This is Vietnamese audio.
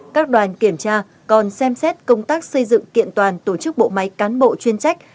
các đoàn kiểm tra còn xem xét công tác xây dựng kiện toàn tổ chức bộ máy cán bộ chuyên trách